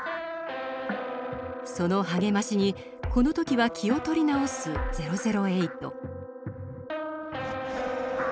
その励ましにこの時は気を取り直す００８。